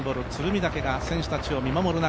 岳が選手たちを見守る中